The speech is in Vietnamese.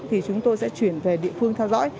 thì chúng tôi sẽ chuyển về địa phương